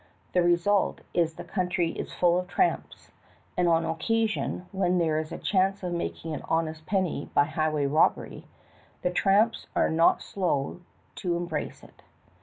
The result is the country is full of tramps, and on occasions when there is a chance of making an honest penny by highway robbery, the tramps are not slow to embrace it.